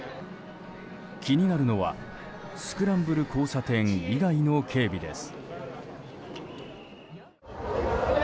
気になるのはスクランブル交差点以外の警備です。